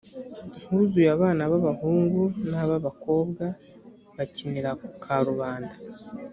huzuye abana b abahungu n ab abakobwa bakinira ku karubanda